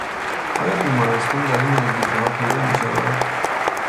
آیا بیمارستان در این نزدیکیها پیدا میشود؟